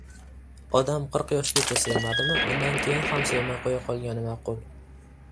Odamki qirq yoshgacha sevmadimi, undan keyin ham sevmay qo‘ya qolgani ma’qul.